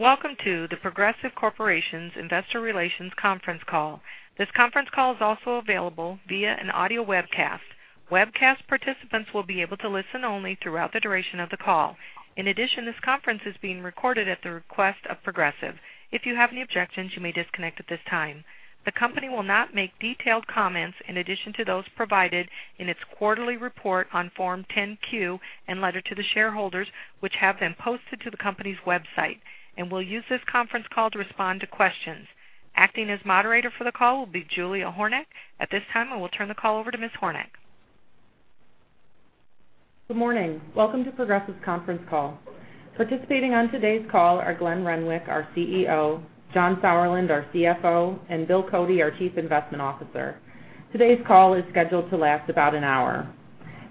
Welcome to The Progressive Corporation's Investor Relations Conference Call. This conference call is also available via an audio webcast. Webcast participants will be able to listen only throughout the duration of the call. In addition, this conference is being recorded at the request of Progressive. If you have any objections, you may disconnect at this time. The company will not make detailed comments in addition to those provided in its quarterly report on Form 10-Q and letter to the shareholders, which have been posted to the company's website, and will use this conference call to respond to questions. Acting as moderator for the call will be Julia Hornack. At this time, I will turn the call over to Ms. Hornack. Good morning. Welcome to Progressive's conference call. Participating on today's call are Glenn Renwick, our CEO, John Sauerland, our CFO, and Bill Cody, our Chief Investment Officer. Today's call is scheduled to last about an hour.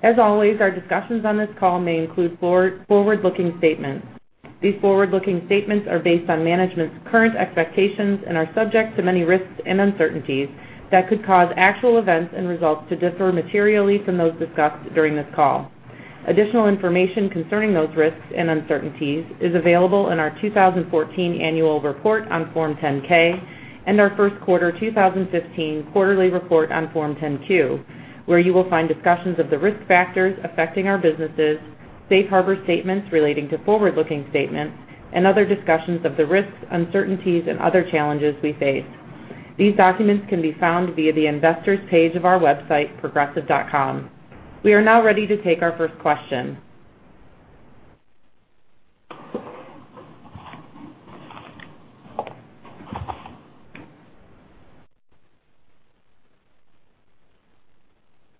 As always, our discussions on this call may include forward-looking statements. These forward-looking statements are based on management's current expectations and are subject to many risks and uncertainties that could cause actual events and results to differ materially from those discussed during this call. Additional information concerning those risks and uncertainties is available in our 2014 annual report on Form 10-K and our first quarter 2015 quarterly report on Form 10-Q, where you will find discussions of the risk factors affecting our businesses, safe harbor statements relating to forward-looking statements, and other discussions of the risks, uncertainties, and other challenges we face. These documents can be found via the investors page of our website, progressive.com. We are now ready to take our first question.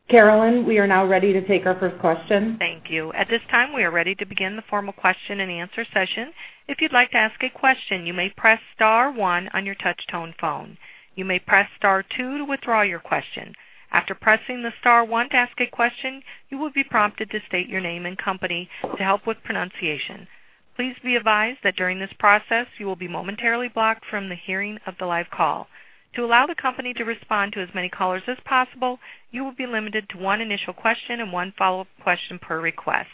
Carolyn, we are now ready to take our first question. Thank you. At this time, we are ready to begin the formal question and answer session. If you'd like to ask a question, you may press star one on your touchtone phone. You may press star two to withdraw your question. After pressing the star one to ask a question, you will be prompted to state your name and company to help with pronunciation. Please be advised that during this process, you will be momentarily blocked from the hearing of the live call. To allow the company to respond to as many callers as possible, you will be limited to one initial question and one follow-up question per request.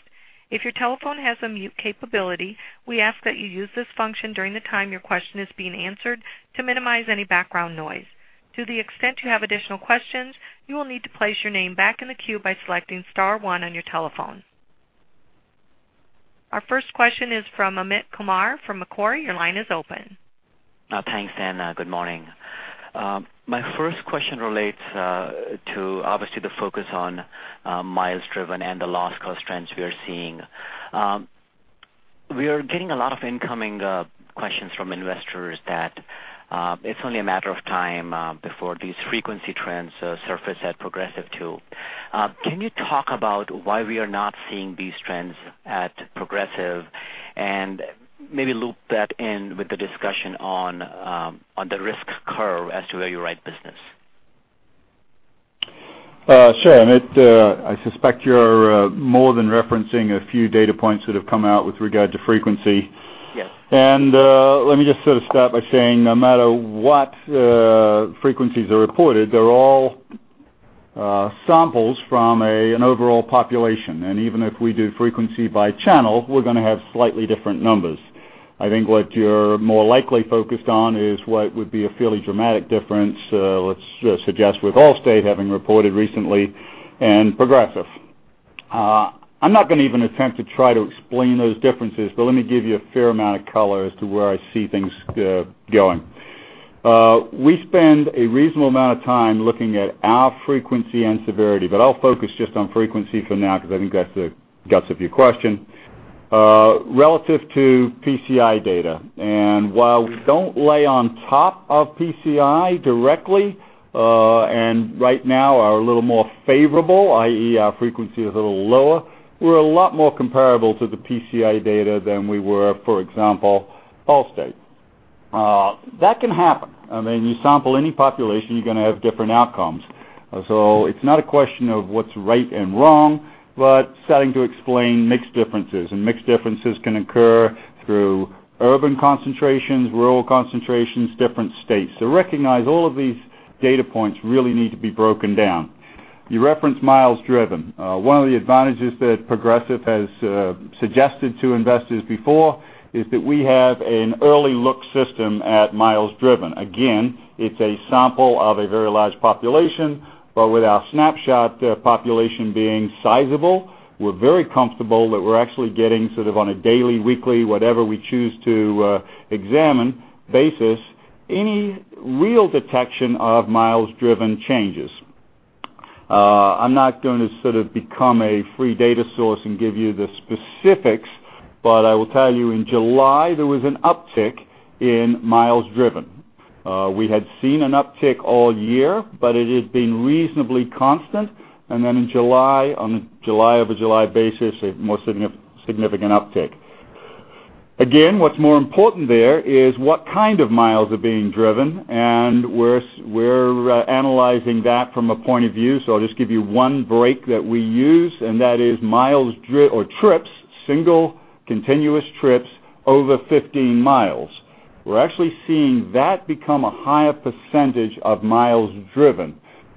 If your telephone has a mute capability, we ask that you use this function during the time your question is being answered to minimize any background noise. To the extent you have additional questions, you will need to place your name back in the queue by selecting star one on your telephone. Our first question is from Amit Kumar from Macquarie. Your line is open. Thanks, good morning. My first question relates to obviously the focus on miles driven and the loss cost trends we are seeing. We are getting a lot of incoming questions from investors that it's only a matter of time before these frequency trends surface at Progressive too. Can you talk about why we are not seeing these trends at Progressive and maybe loop that in with the discussion on the risk curve as to where you write business? Sure, Amit. I suspect you're more than referencing a few data points that have come out with regard to frequency. Yes. Let me just sort of start by saying no matter what frequencies are reported, they're all samples from an overall population. Even if we do frequency by channel, we're going to have slightly different numbers. I think what you're more likely focused on is what would be a fairly dramatic difference, let's suggest with Allstate having reported recently and Progressive. I'm not going to even attempt to try to explain those differences, but let me give you a fair amount of color as to where I see things going. We spend a reasonable amount of time looking at our frequency and severity, but I'll focus just on frequency for now because I think that's the guts of your question relative to PCI data. While we don't lay on top of PCI directly, right now are a little more favorable, i.e., our frequency is a little lower, we're a lot more comparable to the PCI data than we were, for example, Allstate. That can happen. You sample any population, you're going to have different outcomes. It's not a question of what's right and wrong, but starting to explain mixed differences. Mixed differences can occur through urban concentrations, rural concentrations, different states. Recognize all of these data points really need to be broken down. You referenced miles driven. One of the advantages that Progressive has suggested to investors before is that we have an early look system at miles driven. Again, it's a sample of a very large population, but with our Snapshot population being sizable, we're very comfortable that we're actually getting sort of on a daily, weekly, whatever we choose to examine basis, any real detection of miles driven changes. I'm not going to sort of become a free data source and give you the specifics, but I will tell you in July, there was an uptick in miles driven. We had seen an uptick all year, but it had been reasonably constant. Then in July, on a July-over-July basis, a more significant uptick. Again, what's more important there is what kind of miles are being driven, and we're analyzing that from a point of view. I'll just give you one break that we use, and that is miles or trips, single continuous trips over 15 miles. We're actually seeing that become a higher percentage of miles driven.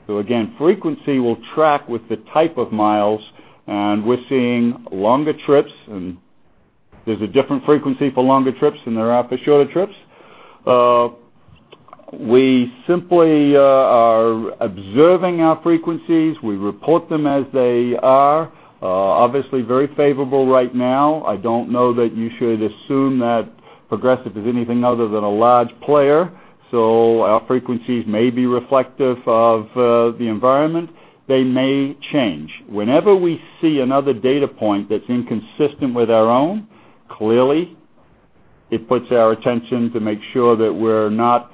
Again, frequency will track with the type of miles, and we're seeing longer trips, and there's a different frequency for longer trips than there are for shorter trips. We simply are observing our frequencies. We report them as they are. Obviously, very favorable right now. I don't know that you should assume that Progressive is anything other than a large player. Our frequencies may be reflective of the environment. They may change. Whenever we see another data point that's inconsistent with our own, clearly, it puts our attention to make sure that we're not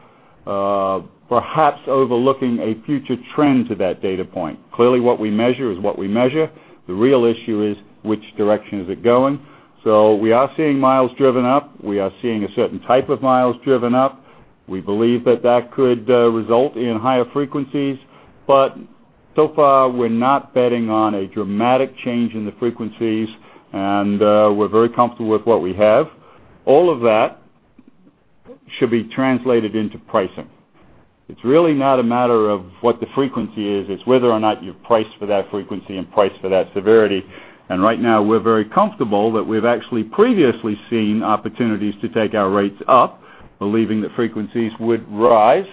perhaps overlooking a future trend to that data point. Clearly, what we measure is what we measure. The real issue is which direction is it going. We are seeing miles driven up. We are seeing a certain type of miles driven up. We believe that that could result in higher frequencies, but so far, we're not betting on a dramatic change in the frequencies, and we're very comfortable with what we have. All of that should be translated into pricing. It's really not a matter of what the frequency is, it's whether or not you've priced for that frequency and priced for that severity. Right now we're very comfortable that we've actually previously seen opportunities to take our rates up, believing that frequencies would rise.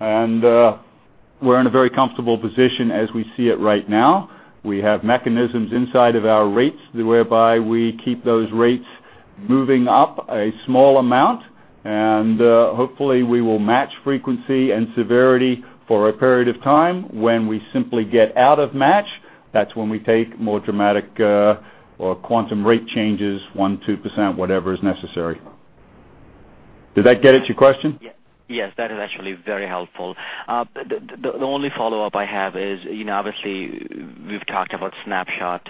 We're in a very comfortable position as we see it right now. We have mechanisms inside of our rates whereby we keep those rates moving up a small amount, and hopefully, we will match frequency and severity for a period of time. When we simply get out of match, that's when we take more dramatic or quantum rate changes, 1%, 2%, whatever is necessary. Did that get at your question? Yes. That is actually very helpful. The only follow-up I have is, obviously, we've talked about Snapshot,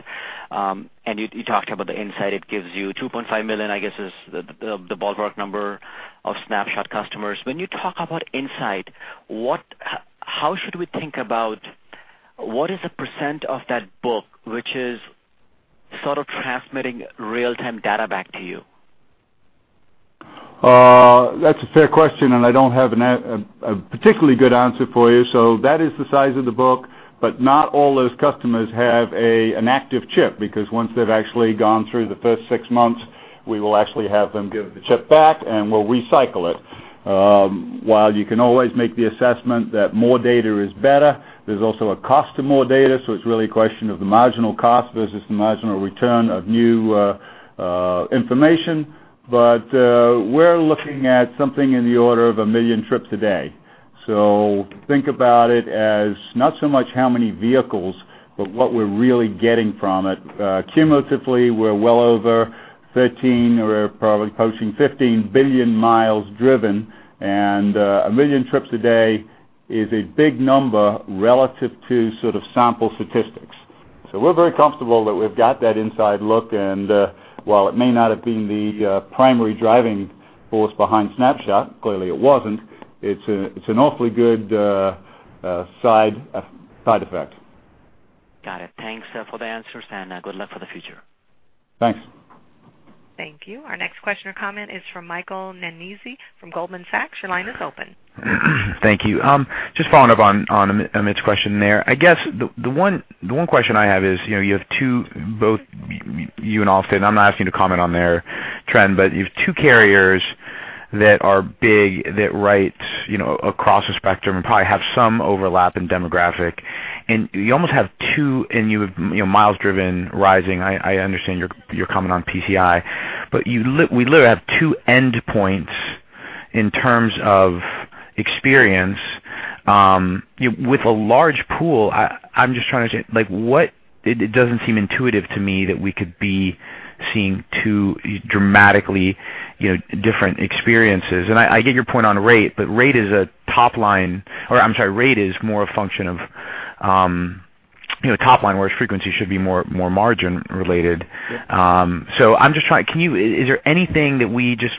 and you talked about the insight it gives you. 2.5 million, I guess, is the ballpark number of Snapshot customers. When you talk about insight, how should we think about what is the % of that book which is sort of transmitting real-time data back to you? That's a fair question, and I don't have a particularly good answer for you. That is the size of the book, but not all those customers have an active chip, because once they've actually gone through the first six months, we will actually have them give the chip back, and we'll recycle it. While you can always make the assessment that more data is better, there's also a cost to more data. It's really a question of the marginal cost versus the marginal return of new information. We're looking at something in the order of 1 million trips a day. Think about it as not so much how many vehicles, but what we're really getting from it. Cumulatively, we're well over 13 or probably approaching 15 billion miles driven. A million trips a day is a big number relative to sort of sample statistics. We're very comfortable that we've got that inside look, and while it may not have been the primary driving force behind Snapshot, clearly it wasn't, it's an awfully good side effect. Got it. Thanks for the answers, good luck for the future. Thanks. Thank you. Our next question or comment is from Michael Nannizzi from Goldman Sachs. Your line is open. Thank you. Just following up on Amit's question there. I guess the one question I have is, you have two, both you and Allstate, I'm not asking you to comment on their trend, but you have two carriers that are big, that write across the spectrum and probably have some overlap in demographic. You almost have two, and you have miles driven rising. I understand your comment on PCI. We literally have two end points in terms of experience. With a large pool, I'm just trying to say, it doesn't seem intuitive to me that we could be seeing two dramatically different experiences. I get your point on rate, but rate is a top line. I'm sorry, rate is more a function of top line, whereas frequency should be more margin related. Yeah. Is there anything that we just,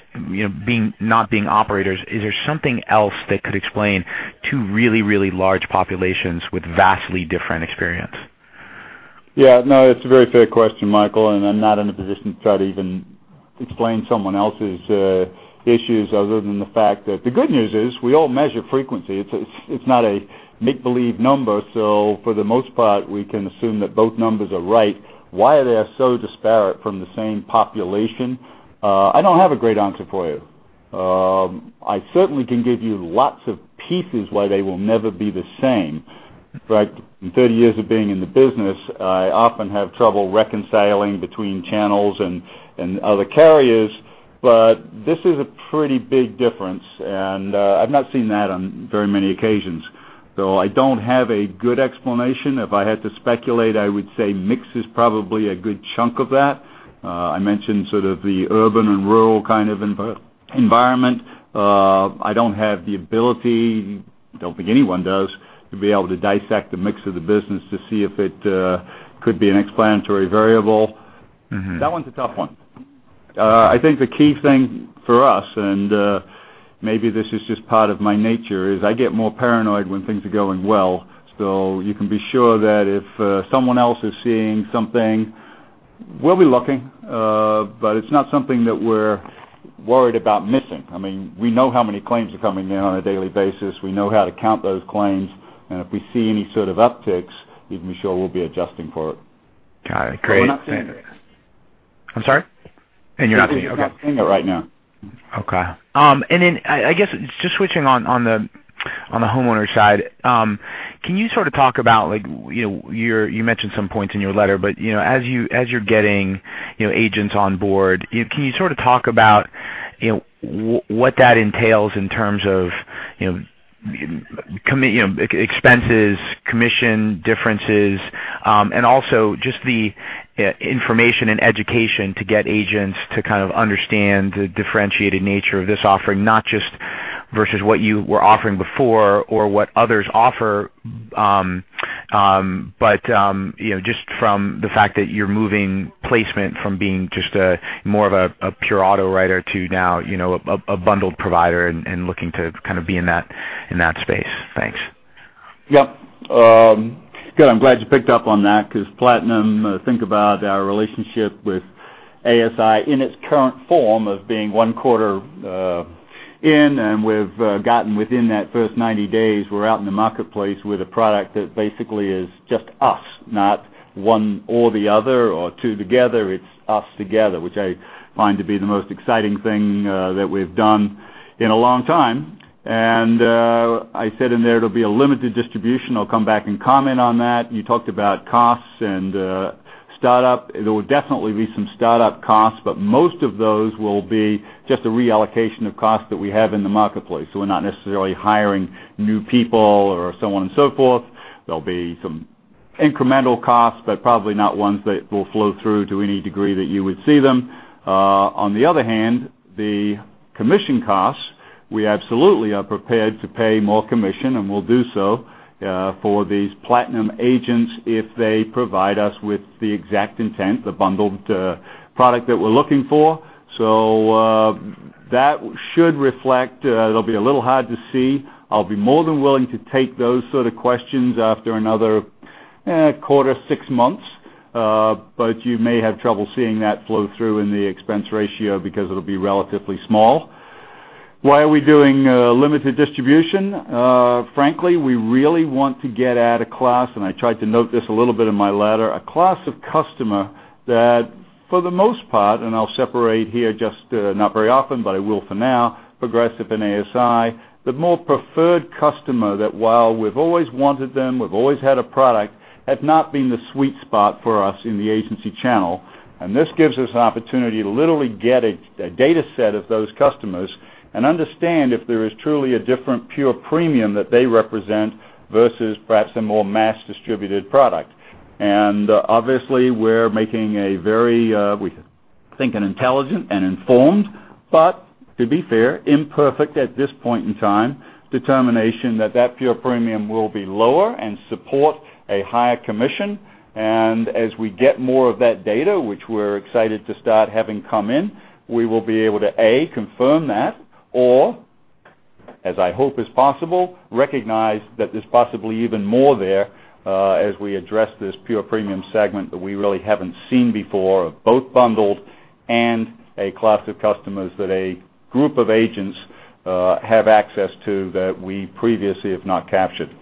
not being operators, is there something else that could explain two really, really large populations with vastly different experience? It's a very fair question, Michael, I'm not in a position to try to even explain someone else's issues other than the fact that the good news is we all measure frequency. It's not a make-believe number. For the most part, we can assume that both numbers are right. Why they are so disparate from the same population, I don't have a great answer for you. I certainly can give you lots of pieces why they will never be the same. In 30 years of being in the business, I often have trouble reconciling between channels and other carriers. This is a pretty big difference, and I've not seen that on very many occasions. I don't have a good explanation. If I had to speculate, I would say mix is probably a good chunk of that. I mentioned sort of the urban and rural kind of environment. I don't have the ability, don't think anyone does, to be able to dissect the mix of the business to see if it could be an explanatory variable. That one's a tough one. I think the key thing for us, and maybe this is just part of my nature, is I get more paranoid when things are going well. You can be sure that if someone else is seeing something We'll be looking, it's not something that we're worried about missing. We know how many claims are coming in on a daily basis. We know how to count those claims, and if we see any sort of upticks, you can be sure we'll be adjusting for it. Got it. Great. We're not seeing it. I'm sorry. You're not seeing it? Okay. We're not seeing it right now. Okay. Then I guess just switching on the homeowner side, can you talk about, you mentioned some points in your letter, but as you're getting agents on board, can you talk about what that entails in terms of expenses, commission differences, and also just the information and education to get agents to kind of understand the differentiated nature of this offering, not just versus what you were offering before or what others offer, but just from the fact that you're moving placement from being just a more of a pure auto writer to now a bundled provider and looking to kind of be in that space. Thanks. Yep. Good. I'm glad you picked up on that because Platinum, think about our relationship with ASI in its current form of being one quarter in, we've gotten within that first 90 days, we're out in the marketplace with a product that basically is just us, not one or the other or two together. It's us together, which I find to be the most exciting thing that we've done in a long time. I said in there it'll be a limited distribution. I'll come back and comment on that. You talked about costs and startup. There will definitely be some startup costs, but most of those will be just a reallocation of costs that we have in the marketplace. We're not necessarily hiring new people or so on and so forth. There'll be some incremental costs, but probably not ones that will flow through to any degree that you would see them. On the other hand, the commission costs, we absolutely are prepared to pay more commission, we'll do so for these Platinum agents if they provide us with the exact intent, the bundled product that we're looking for. That should reflect. It'll be a little hard to see. I'll be more than willing to take those sort of questions after another quarter, six months. You may have trouble seeing that flow through in the expense ratio because it'll be relatively small. Why are we doing limited distribution? Frankly, we really want to get at a class, I tried to note this a little bit in my letter, a class of customer that for the most part, I'll separate here just not very often, but I will for now, Progressive and ASI, the more preferred customer that while we've always wanted them, we've always had a product, have not been the sweet spot for us in the agency channel. This gives us an opportunity to literally get a data set of those customers and understand if there is truly a different pure premium that they represent versus perhaps a more mass distributed product. Obviously, we're making a very, we think an intelligent and informed, but to be fair, imperfect at this point in time, determination that that pure premium will be lower and support a higher commission. As we get more of that data, which we're excited to start having come in, we will be able to, A, confirm that, or, as I hope is possible, recognize that there's possibly even more there as we address this pure premium segment that we really haven't seen before, of both bundled and a class of customers that a group of agents have access to that we previously have not captured.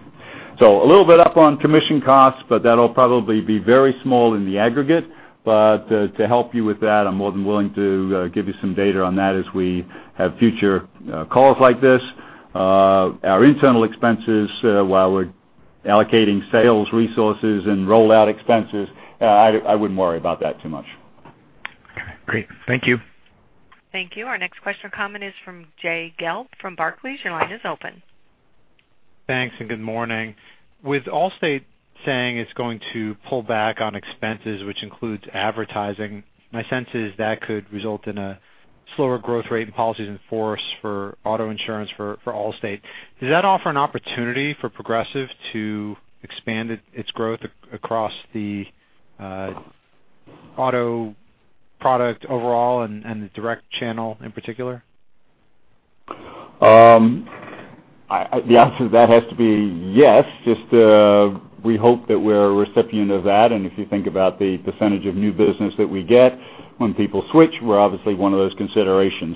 A little bit up on commission costs, but that'll probably be very small in the aggregate. To help you with that, I'm more than willing to give you some data on that as we have future calls like this. Our internal expenses, while we're allocating sales resources and rollout expenses, I wouldn't worry about that too much. Okay, great. Thank you. Thank you. Our next question or comment is from Jay Gelb from Barclays. Your line is open. Thanks. Good morning. With Allstate saying it's going to pull back on expenses, which includes advertising, my sense is that could result in a slower growth rate in policies in force for auto insurance for Allstate. Does that offer an opportunity for Progressive to expand its growth across the auto product overall and the direct channel in particular? The answer to that has to be yes. Just we hope that we're a recipient of that. If you think about the percentage of new business that we get when people switch, we're obviously one of those considerations.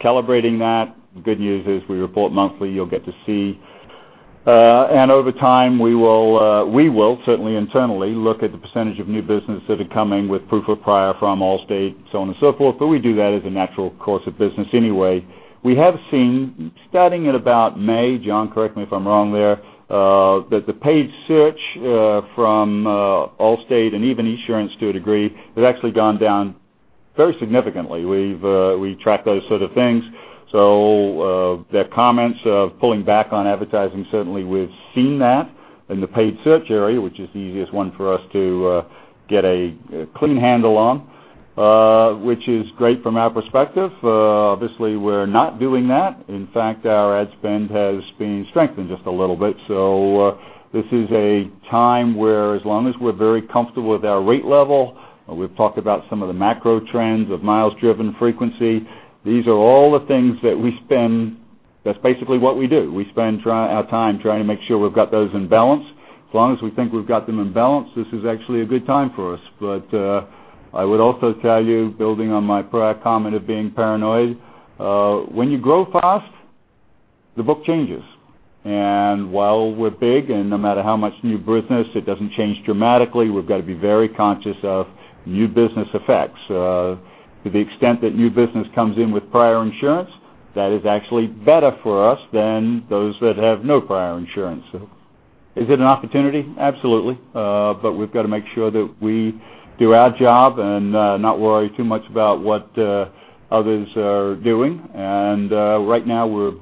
Calibrating that, good news is we report monthly, you'll get to see. Over time, we will certainly internally look at the percentage of new business that are coming with proof of prior from Allstate, so on and so forth. We do that as a natural course of business anyway. We have seen, starting at about May, John, correct me if I'm wrong there, that the paid search from Allstate and even Esurance to a degree, has actually gone down very significantly. We track those sort of things. Their comments of pulling back on advertising, certainly we've seen that in the paid search area, which is the easiest one for us to get a clean handle on, which is great from our perspective. Obviously, we're not doing that. In fact, our ad spend has been strengthened just a little bit. This is a time where as long as we're very comfortable with our rate level, we've talked about some of the macro trends of miles driven frequency. These are all the things that we spend That's basically what we do. We spend our time trying to make sure we've got those in balance. As long as we think we've got them in balance, this is actually a good time for us. I would also tell you, building on my prior comment of being paranoid, when you grow fast, the book changes. While we're big, and no matter how much new business, it doesn't change dramatically, we've got to be very conscious of new business effects. To the extent that new business comes in with prior insurance, that is actually better for us than those that have no prior insurance. Is it an opportunity? Absolutely. We've got to make sure that we do our job and not worry too much about what others are doing. Right now, we're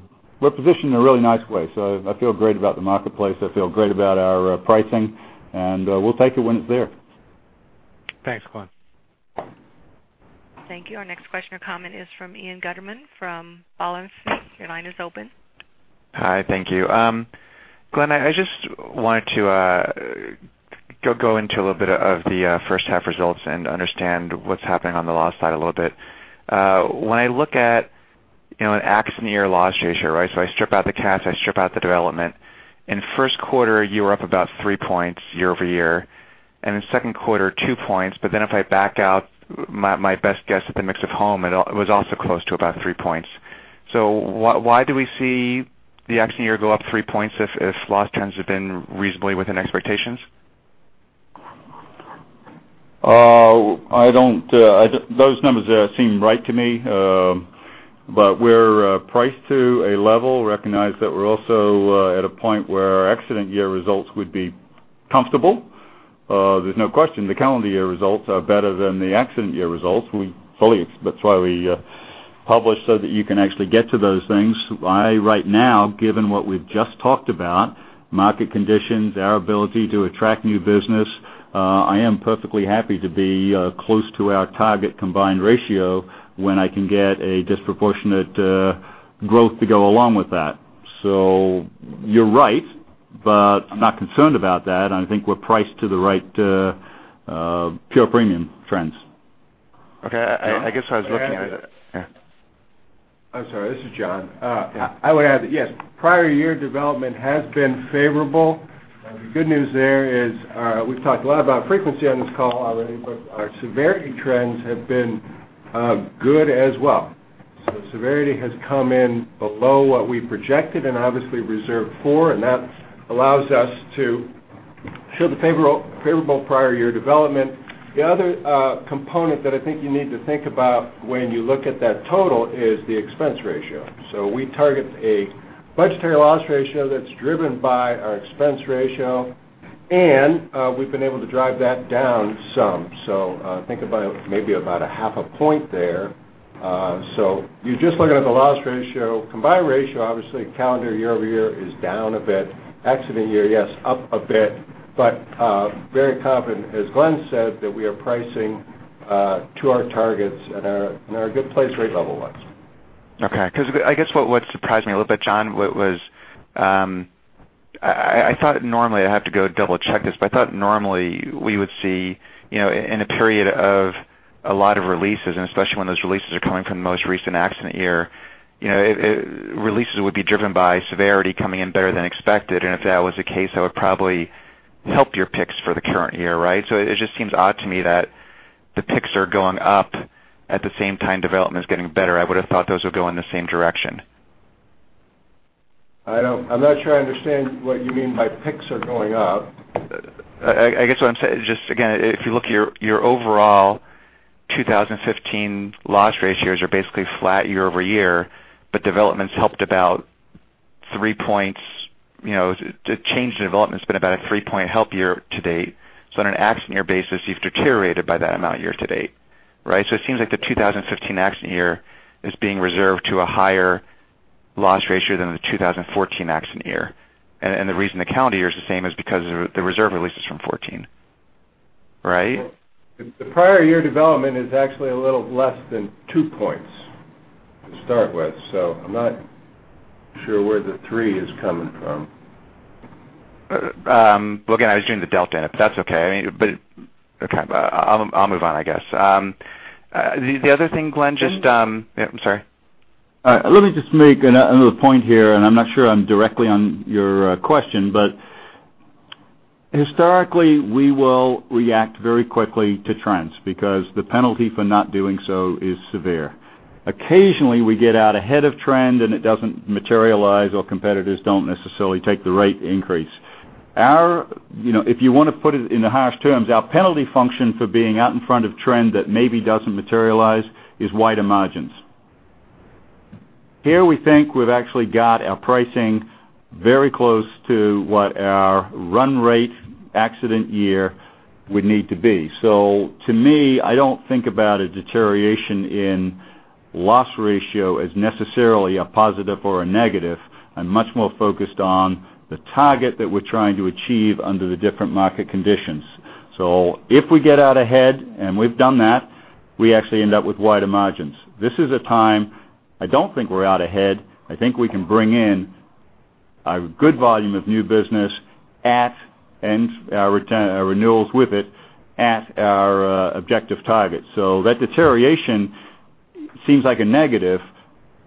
positioned in a really nice way. I feel great about the marketplace. I feel great about our pricing, and we'll take it when it's there. Thanks, Glenn. Thank you. Our next question or comment is from Ian Gutterman from Balyasny Asset Management. Your line is open. Hi, thank you. Glenn, I just wanted to go into a little bit of the first half results and understand what's happening on the loss side a little bit. When I look at an accident year loss ratio, I strip out the CATs, I strip out the development. In the first quarter, you were up about three points year-over-year, in the second quarter, two points. If I back out my best guess at the mix of home, it was also close to about three points. Why do we see the accident year go up three points if loss trends have been reasonably within expectations? Those numbers there seem right to me. We're priced to a level, recognize that we're also at a point where our accident year results would be comfortable. There's no question the calendar year results are better than the accident year results. That's why we publish so that you can actually get to those things. I, right now, given what we've just talked about, market conditions, our ability to attract new business, I am perfectly happy to be close to our target combined ratio when I can get a disproportionate growth to go along with that. You're right, but I'm not concerned about that, and I think we're priced to the right pure premium trends. Okay. I guess I was looking at it- May I add to that? Yeah. I'm sorry, this is John. Yeah. I would add that, yes, prior year development has been favorable. The good news there is we've talked a lot about frequency on this call already, but our severity trends have been good as well. Severity has come in below what we projected and obviously reserved for, and that allows us to show the favorable prior year development. The other component that I think you need to think about when you look at that total is the expense ratio. We target a budgetary loss ratio that's driven by our expense ratio, and we've been able to drive that down some. Think about maybe about a half a point there. You're just looking at the loss ratio. Combined ratio, obviously calendar year-over-year is down a bit. Accident year, yes, up a bit. Very confident, as Glenn said, that we are pricing to our targets and are in a good place rate level-wise. Okay. Because I guess what surprised me a little bit, John, was I thought normally I have to go double-check this, but I thought normally we would see in a period of a lot of releases, and especially when those releases are coming from the most recent accident year, releases would be driven by severity coming in better than expected, and if that was the case, that would probably help your picks for the current year, right? It just seems odd to me that the picks are going up at the same time development is getting better. I would have thought those would go in the same direction. I'm not sure I understand what you mean by picks are going up. What I'm saying is just, again, if you look at your overall 2015 loss ratios are basically flat year-over-year, but development's helped about 3 points. The change in development's been about a 3-point help year-to-date. On an accident year basis, you've deteriorated by that amount year-to-date, right? It seems like the 2015 accident year is being reserved to a higher loss ratio than the 2014 accident year. The reason the calendar year is the same is because of the reserve releases from 2014. Right? The prior year development is actually a little less than 2 points to start with. I'm not sure where the 3 is coming from. Again, I was doing the delta, that's okay. Okay. I'll move on. The other thing, Glenn. Can I- I'm sorry. Let me just make another point here, and I'm not sure I'm directly on your question, but historically, we will react very quickly to trends because the penalty for not doing so is severe. Occasionally, we get out ahead of trend, and it doesn't materialize, or competitors don't necessarily take the rate increase. If you want to put it in the harshest terms, our penalty function for being out in front of trend that maybe doesn't materialize is wider margins. Here we think we've actually got our pricing very close to what our run rate accident year would need to be. To me, I don't think about a deterioration in loss ratio as necessarily a positive or a negative. I'm much more focused on the target that we're trying to achieve under the different market conditions. If we get out ahead, and we've done that, we actually end up with wider margins. This is a time I don't think we're out ahead. I think we can bring in a good volume of new business and our renewals with it at our objective target. That deterioration seems like a negative.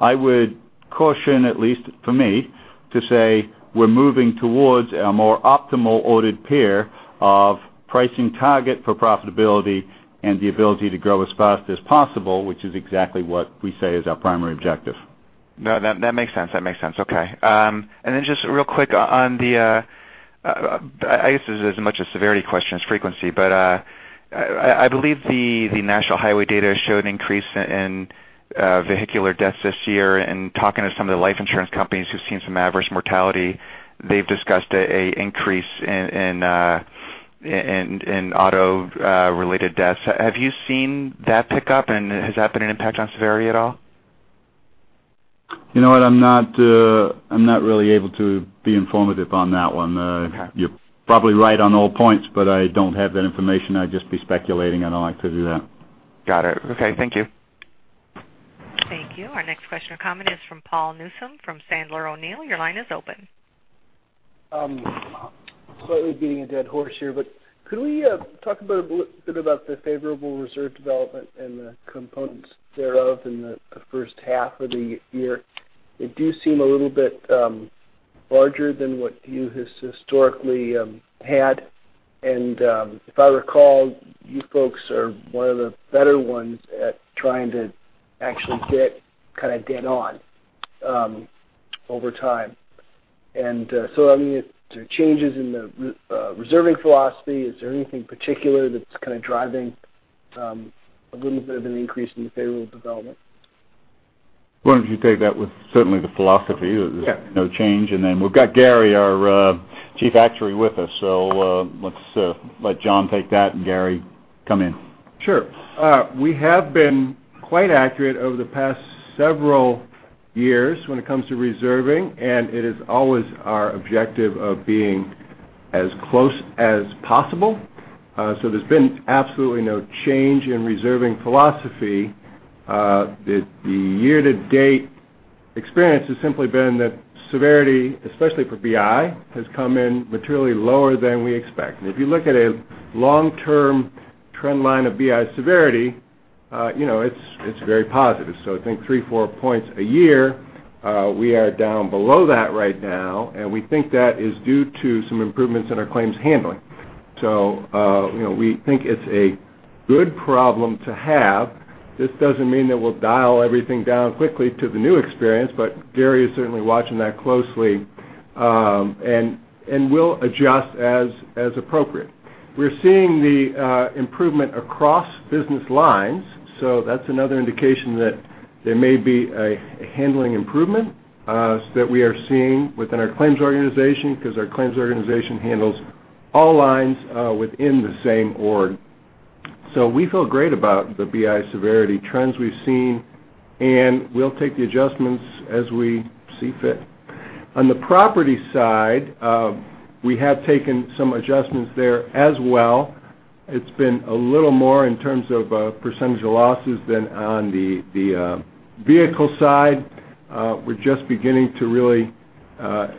I would caution, at least for me, to say we're moving towards a more optimal ordered pair of pricing target for profitability and the ability to grow as fast as possible, which is exactly what we say is our primary objective. No, that makes sense. Okay. Then just real quick on the, I guess this is as much a severity question as frequency, but I believe the national highway data showed an increase in vehicular deaths this year. In talking to some of the life insurance companies who've seen some adverse mortality, they've discussed an increase in auto-related deaths. Have you seen that pick up, and has that been an impact on severity at all? You know what? I'm not really able to be informative on that one. Okay. You're probably right on all points. I don't have that information. I'd just be speculating, I don't like to do that. Got it. Okay. Thank you. Thank you. Our next question or comment is from Paul Newsome from Sandler O'Neill. Your line is open. Could we talk a little bit about the favorable reserve development and the components thereof in the first half of the year? They do seem a little bit larger than what you historically had. If I recall, you folks are one of the better ones at trying to actually get kind of dead on over time. I mean, is there changes in the reserving philosophy? Is there anything particular that's kind of driving a little bit of an increase in the favorable development? Why don't you take that with certainly the philosophy. Okay. There's no change. We've got Gary, our Chief Actuary, with us. Let's let John take that, and Gary, come in. Sure. We have been quite accurate over the past several years when it comes to reserving, and it is always our objective of being as close as possible. There's been absolutely no change in reserving philosophy. The year-to-date experience has simply been that severity, especially for BI, has come in materially lower than we expect. If you look at a long-term trend line of BI severity, it's very positive. I think three, four points a year, we are down below that right now, and we think that is due to some improvements in our claims handling. We think it's a good problem to have. This doesn't mean that we'll dial everything down quickly to the new experience, but Gary is certainly watching that closely, and we'll adjust as appropriate. We're seeing the improvement across business lines, that's another indication that there may be a handling improvement that we are seeing within our claims organization because our claims organization handles all lines within the same org. We feel great about the BI severity trends we've seen, and we'll take the adjustments as we see fit. On the property side, we have taken some adjustments there as well. It's been a little more in terms of percentage of losses than on the vehicle side. We're just beginning to really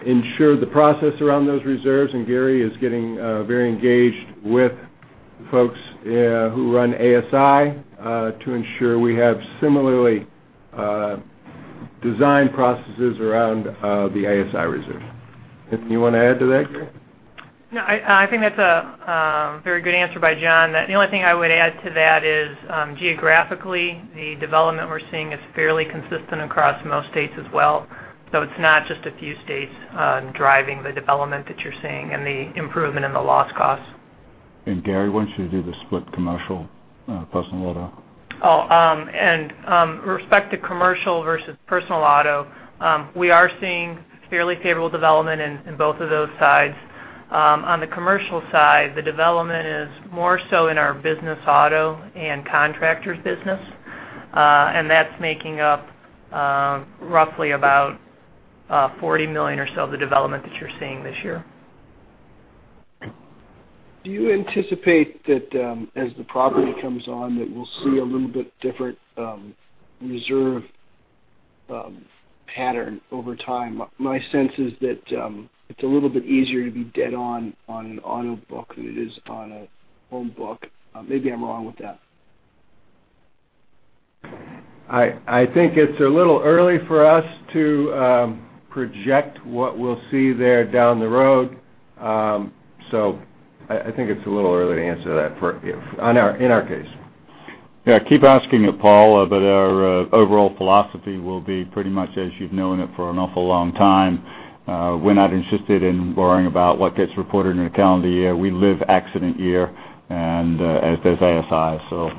ensure the process around those reserves, and Gary is getting very engaged with folks who run ASI to ensure we have similarly designed processes around the ASI reserve. Anything you want to add to that, Gary? No, I think that's a very good answer by John. The only thing I would add to that is, geographically, the development we're seeing is fairly consistent across most states as well. It's not just a few states driving the development that you're seeing and the improvement in the loss costs. Gary, why don't you do the split commercial personal auto. With respect to commercial versus personal auto, we are seeing fairly favorable development in both of those sides. On the commercial side, the development is more so in our business auto and contractors business, that's making up roughly about $40 million or so of the development that you're seeing this year. Do you anticipate that as the property comes on, that we'll see a little bit different reserve pattern over time? My sense is that it's a little bit easier to be dead on an auto book than it is on a home book. Maybe I'm wrong with that. I think it's a little early for us to project what we'll see there down the road. I think it's a little early to answer that in our case. Keep asking it, Paul, our overall philosophy will be pretty much as you've known it for an awful long time. We're not interested in worrying about what gets reported in a calendar year. We live accident year, and as does ASI.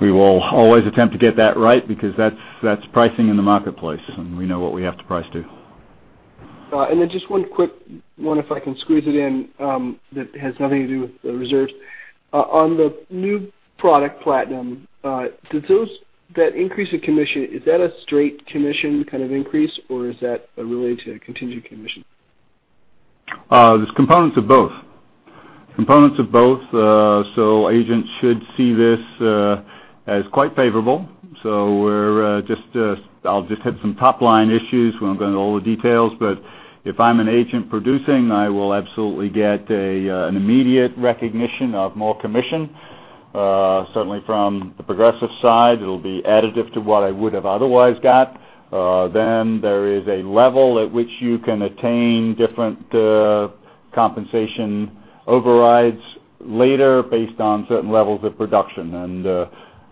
We will always attempt to get that right because that's pricing in the marketplace, and we know what we have to price to. Just one quick one if I can squeeze it in, that has nothing to do with the reserves. On the new product, Platinum, that increase in commission, is that a straight commission kind of increase or is that related to a contingent commission? There's components of both. Agents should see this as quite favorable. I'll just hit some top-line issues. We won't go into all the details, but if I'm an agent producing, I will absolutely get an immediate recognition of more commission. Certainly from the Progressive side, it'll be additive to what I would have otherwise got. There is a level at which you can attain different compensation overrides later based on certain levels of production.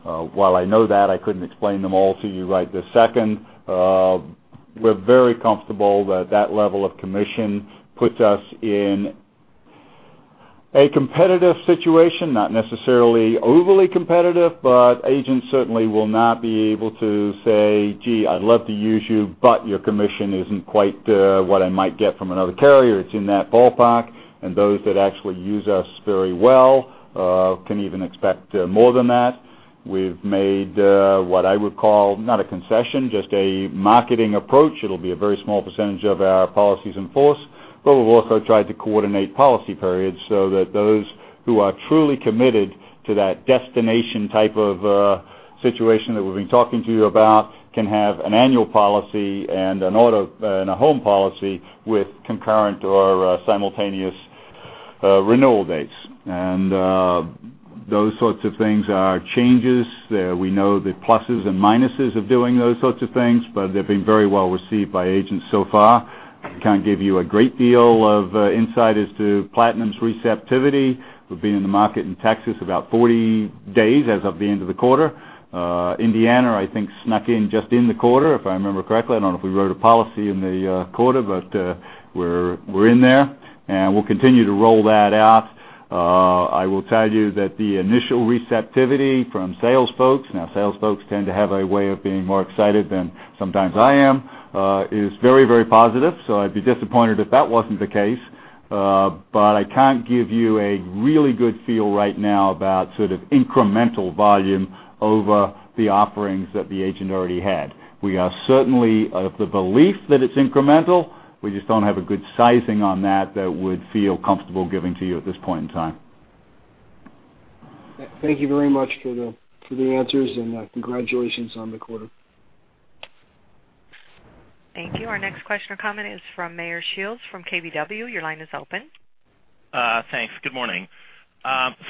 While I know that, I couldn't explain them all to you right this second. We're very comfortable that that level of commission puts us in a competitive situation. Not necessarily overly competitive, agents certainly will not be able to say, "Gee, I'd love to use you, but your commission isn't quite what I might get from another carrier." It's in that ballpark, those that actually use us very well can even expect more than that. We've made what I would call, not a concession, just a marketing approach. It'll be a very small percentage of our policies in force. We've also tried to coordinate policy periods so that those who are truly committed to that destination type of situation that we've been talking to you about can have an annual policy and a home policy with concurrent or simultaneous renewal dates. Those sorts of things are changes. We know the pluses and minuses of doing those sorts of things, but they've been very well received by agents so far. Can't give you a great deal of insight as to Platinum's receptivity. We've been in the market in Texas about 40 days as of the end of the quarter. Indiana, I think, snuck in just in the quarter, if I remember correctly. I don't know if we wrote a policy in the quarter, but we're in there, we'll continue to roll that out. I will tell you that the initial receptivity from sales folks, now, sales folks tend to have a way of being more excited than sometimes I am. Is very, very positive. I'd be disappointed if that wasn't the case. I can't give you a really good feel right now about sort of incremental volume over the offerings that the agent already had. We are certainly of the belief that it's incremental. We just don't have a good sizing on that that we would feel comfortable giving to you at this point in time. Thank you very much for the answers, congratulations on the quarter. Thank you. Our next question or comment is from Meyer Shields from KBW. Your line is open. Thanks. Good morning.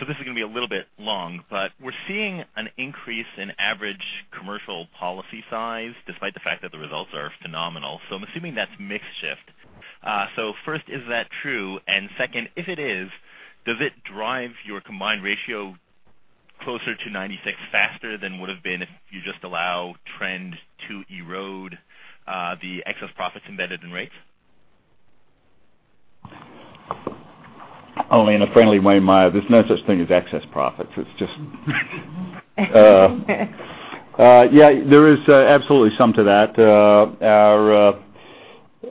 This is going to be a little bit long, but we're seeing an increase in average commercial policy size despite the fact that the results are phenomenal. I'm assuming that's mix shift. First, is that true? Second, if it is, does it drive your combined ratio closer to 96 faster than would've been if you just allow trend to erode the excess profits embedded in rates? Only in a friendly way, Meyer. There's no such thing as excess profits. Yeah, there is absolutely some to that.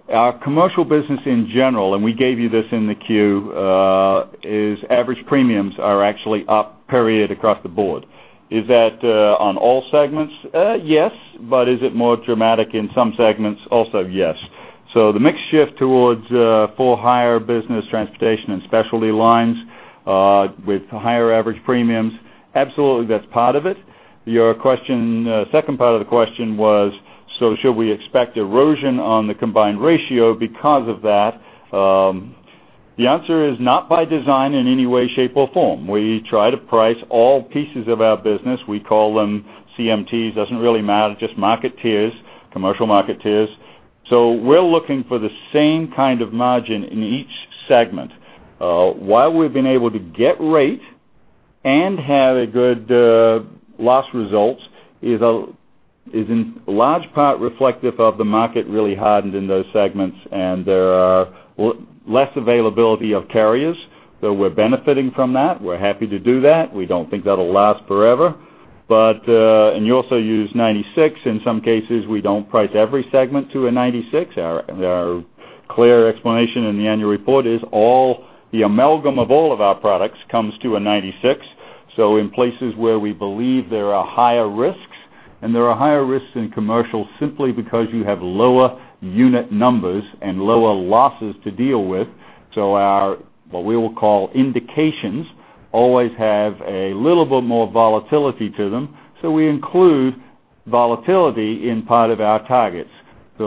Our commercial business in general, and we gave you this in the Q, is, average premiums are actually up, period, across the board. Is that on all segments? Yes. Is it more dramatic in some segments also? Yes. The mix shift towards for-hire business transportation and specialty lines with higher average premiums, absolutely, that's part of it. Your second part of the question was, should we expect erosion on the combined ratio because of that? The answer is not by design in any way, shape, or form. We try to price all pieces of our business. We call them CMTs. It doesn't really matter, just market tiers, commercial market tiers. We're looking for the same kind of margin in each segment. While we've been able to get rate and have a good loss result is in large part reflective of the market really hardened in those segments, and there are less availability of carriers. We're benefiting from that. We're happy to do that. We don't think that'll last forever. You also use 96 in some cases. We don't price every segment to a 96. Our clear explanation in the Annual Report is the amalgam of all of our products comes to a 96. In places where we believe there are higher risks, and there are higher risks in commercial simply because you have lower unit numbers and lower losses to deal with. Our, what we will call indications, always have a little bit more volatility to them. We include volatility in part of our targets. A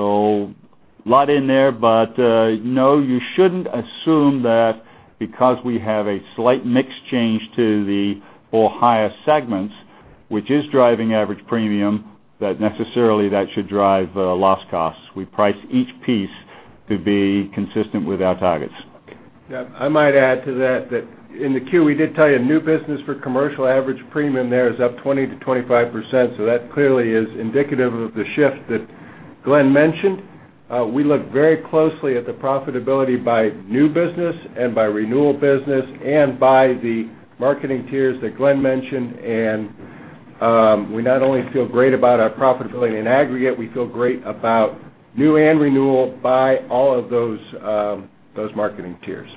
lot in there, but no, you shouldn't assume that because we have a slight mix change to the or higher segments, which is driving average premium, that necessarily that should drive loss costs. We price each piece to be consistent with our targets. Okay. Yeah. I might add to that in the Q, we did tell you new business for commercial average premium there is up 20%-25%. That clearly is indicative of the shift that Glenn mentioned. We look very closely at the profitability by new business and by renewal business and by the marketing tiers that Glenn mentioned. We not only feel great about our profitability in aggregate, we feel great about new and renewal by all of those marketing tiers.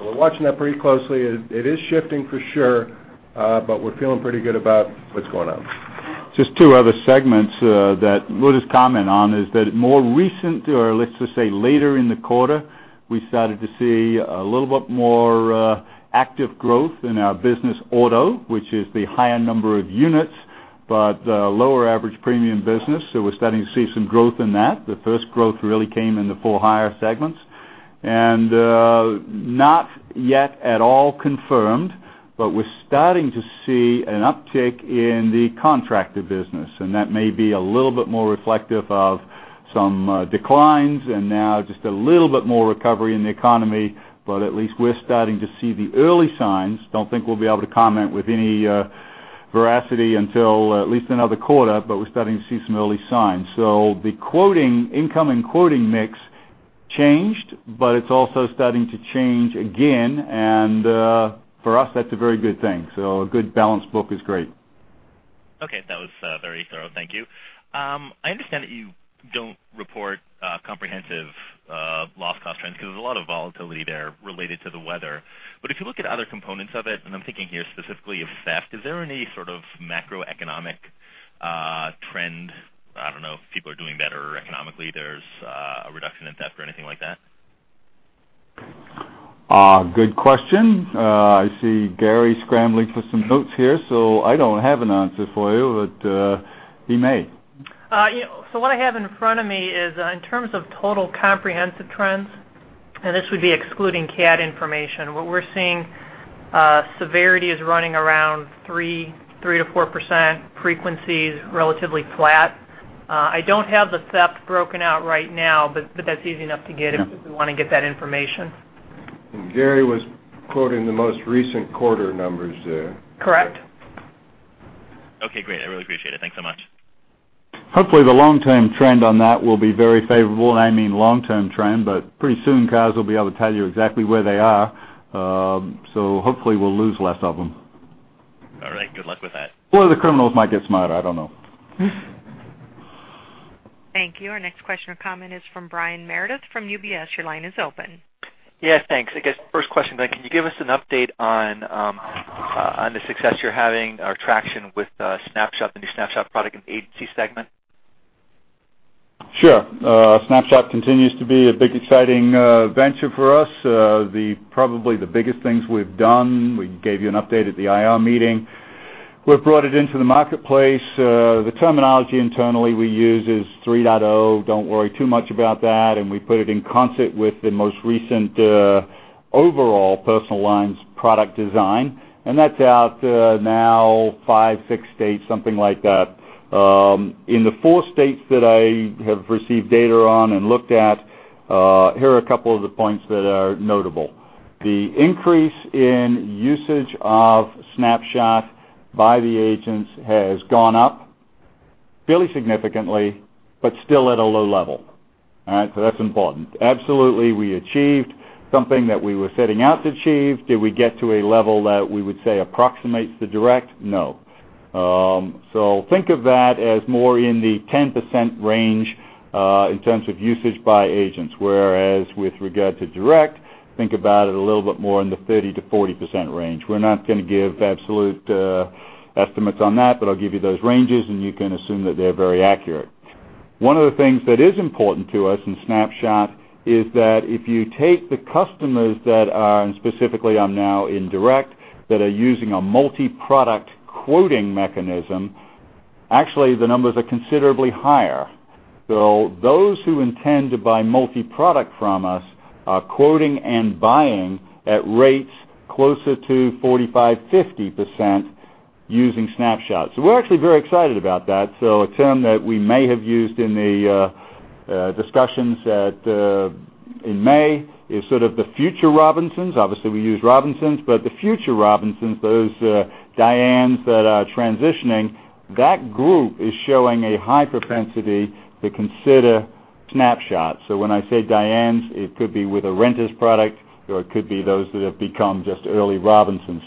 We're watching that pretty closely. It is shifting for sure. We're feeling pretty good about what's going on. Just two other segments that we'll just comment on is that more recent, or let's just say later in the quarter, we started to see a little bit more active growth in our business auto, which is the higher number of units, but lower average premium business. We're starting to see some growth in that. The first growth really came in the full higher segments. Not yet at all confirmed, but we're starting to see an uptick in the contractor business, and that may be a little bit more reflective of some declines and now just a little bit more recovery in the economy. At least we're starting to see the early signs. Don't think we'll be able to comment with any veracity until at least another quarter, but we're starting to see some early signs. The incoming quoting mix changed, but it's also starting to change again, and for us, that's a very good thing. A good balanced book is great. Okay. That was very thorough. Thank you. I understand that you don't report comprehensive loss cost trends because there's a lot of volatility there related to the weather. If you look at other components of it, and I'm thinking here specifically of theft, is there any sort of macroeconomic trend? I don't know if people are doing better economically, there's a reduction in theft or anything like that. Good question. I see Gary scrambling for some notes here, so I don't have an answer for you, but he may. What I have in front of me is, in terms of total comprehensive trends, and this would be excluding CAT information, what we're seeing, severity is running around 3%-4%, frequencies relatively flat. I don't have the theft broken out right now, but that's easy enough to get if we want to get that information. Gary was quoting the most recent quarter numbers there. Correct. Okay, great. I really appreciate it. Thank you so much. Hopefully, the long-term trend on that will be very favorable, I mean long-term trend, pretty soon, cars will be able to tell you exactly where they are. Hopefully, we'll lose less of them. All right. Good luck with that. The criminals might get smarter. I don't know. Thank you. Our next question or comment is from Brian Meredith from UBS. Your line is open. Yes, thanks. I guess first question, can you give us an update on the success you're having or traction with Snapshot, the new Snapshot product in the agency segment? Sure. Snapshot continues to be a big exciting venture for us. Probably the biggest things we've done, we gave you an update at the IR meeting. We've brought it into the marketplace. The terminology internally we use is 3.0. Don't worry too much about that. We put it in concert with the most recent overall personal lines product design. That's out now five, six states, something like that. In the four states that I have received data on and looked at, here are a couple of the points that are notable. The increase in usage of Snapshot by the agents has gone up fairly significantly, but still at a low level. All right? That's important. Absolutely, we achieved something that we were setting out to achieve. Did we get to a level that we would say approximates the direct? No. Think of that as more in the 10% range, in terms of usage by agents. Whereas with regard to direct, think about it a little bit more in the 30%-40% range. We're not going to give absolute estimates on that, but I'll give you those ranges, and you can assume that they're very accurate. One of the things that is important to us in Snapshot is that if you take the customers that are, and specifically are now in direct, that are using a multi-product quoting mechanism, actually the numbers are considerably higher. Those who intend to buy multi-product from us are quoting and buying at rates closer to 45%-50% using Snapshot. We're actually very excited about that. A term that we may have used in the discussions in May is sort of the future Robinsons. Obviously, we use Robinsons, but the future Robinsons, those Dianes that are transitioning, that group is showing a high propensity to consider Snapshot. When I say Dianes, it could be with a renters product, or it could be those that have become just early Robinsons.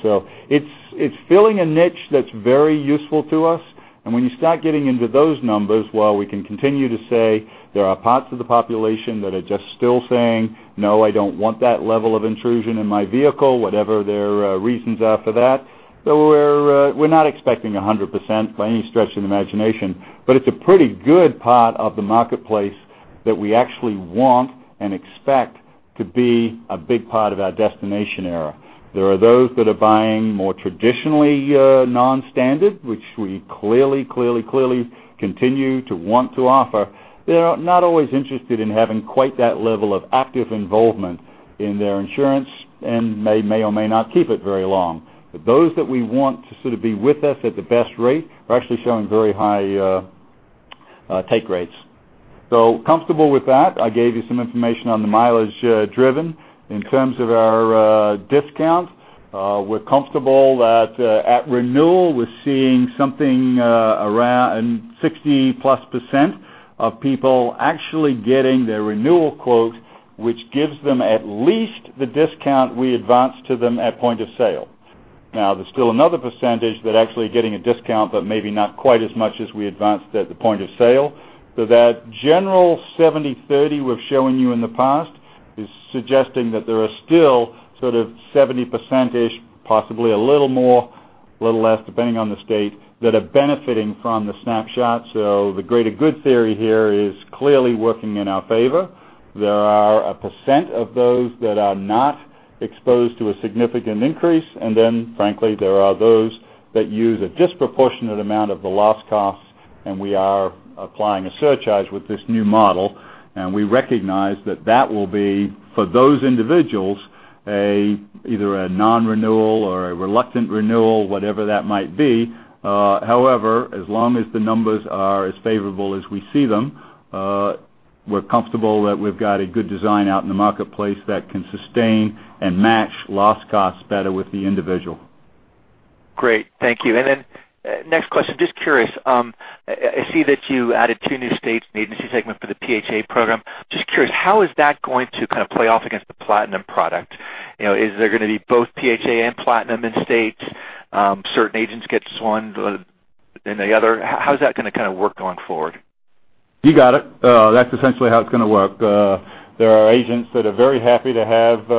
It's filling a niche that's very useful to us. When you start getting into those numbers, while we can continue to say there are parts of the population that are just still saying, "No, I don't want that level of intrusion in my vehicle," whatever their reasons are for that. We're not expecting 100% by any stretch of the imagination, but it's a pretty good part of the marketplace that we actually want and expect to be a big part of our destination era. There are those that are buying more traditionally non-standard, which we clearly continue to want to offer. They're not always interested in having quite that level of active involvement in their insurance and may or may not keep it very long. Those that we want to sort of be with us at the best rate are actually showing very high take rates. Comfortable with that. I gave you some information on the mileage driven. In terms of our discounts, we're comfortable that at renewal we're seeing something around 60+% of people actually getting their renewal quote, which gives them at least the discount we advanced to them at point of sale. There's still another percentage that are actually getting a discount, but maybe not quite as much as we advanced at the point of sale. That general 70/30 we've shown you in the past Is suggesting that there are still sort of 70%ish, possibly a little more, a little less, depending on the state, that are benefiting from the Snapshot. The greater good theory here is clearly working in our favor. There are a percent of those that are not exposed to a significant increase. Frankly, there are those that use a disproportionate amount of the loss costs, and we are applying a surcharge with this new model. We recognize that will be, for those individuals, either a non-renewal or a reluctant renewal, whatever that might be. As long as the numbers are as favorable as we see them, we're comfortable that we've got a good design out in the marketplace that can sustain and match loss costs better with the individual. Great. Thank you. Next question, just curious, I see that you added two new states in the agency segment for the PHA program. How is that going to kind of play off against the Platinum product? Is there going to be both PHA and Platinum in state? Certain agents get just one than the other? How's that going to kind of work going forward? You got it. That's essentially how it's going to work. There are agents that are very happy to have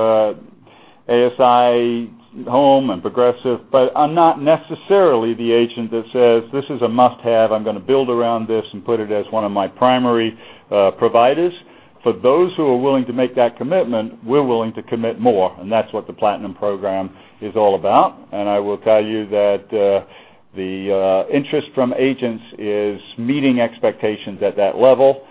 ASI Home and Progressive, but are not necessarily the agent that says, "This is a must-have. I'm going to build around this and put it as one of my primary providers." For those who are willing to make that commitment, we're willing to commit more, and that's what the Platinum program is all about. I will tell you that the interest from agents is meeting expectations at that level.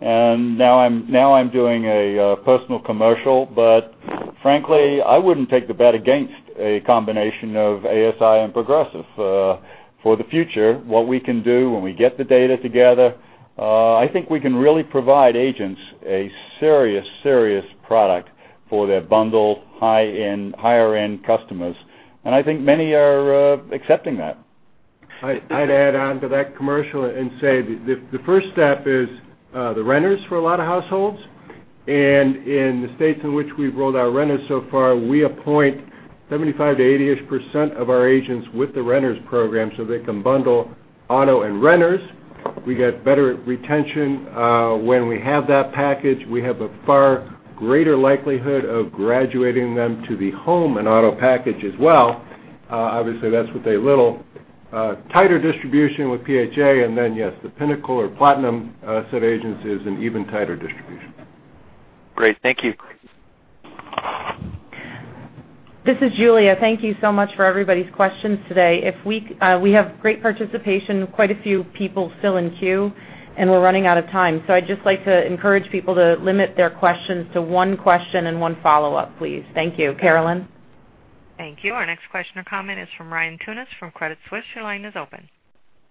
Now I'm doing a personal commercial, but frankly, I wouldn't take the bet against a combination of ASI and Progressive. For the future, what we can do when we get the data together, I think we can really provide agents a serious product for their bundle higher-end customers. I think many are accepting that. I'd add on to that commercial and say the first step is the renters for a lot of households. In the states in which we've rolled out renters so far, we appoint 75%-80ish% of our agents with the renters program so they can bundle auto and renters. We get better retention, when we have that package. We have a far greater likelihood of graduating them to the home and auto package as well. Obviously, that's with a little tighter distribution with PHA, yes, the pinnacle or Platinum set agencies an even tighter distribution. Great. Thank you. This is Julia. Thank you so much for everybody's questions today. We have great participation. Quite a few people still in queue, and we're running out of time. I'd just like to encourage people to limit their questions to one question and one follow-up, please. Thank you. Carolyn? Thank you. Our next question or comment is from Ryan Tunis from Credit Suisse. Your line is open.